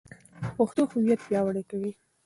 پښتو هویت پیاوړی کوي.